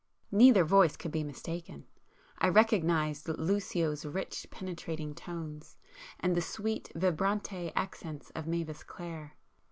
Neither voice could be mistaken; I recognized Lucio's rich penetrating tones, and the sweet vibrante accents of Mavis Clare.